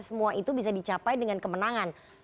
semua itu bisa dicapai dengan kemenangan